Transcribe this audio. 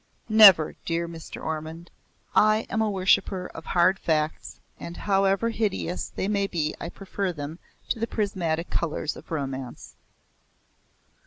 "Never, dear Mr. Ormond. I am a worshipper of hard facts and however hideous they may be I prefer them to the prismatic colours of romance."